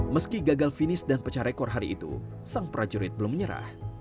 meski gagal finish dan pecah rekor hari itu sang prajurit belum menyerah